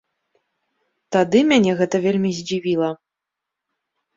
Тады мяне гэта вельмі здзівіла.